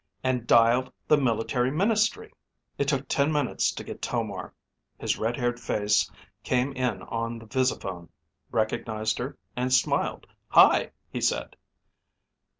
and dialed the military ministry. It took ten minutes to get Tomar. His red haired face came in on the visiphone, recognized her, and smiled. "Hi," he said.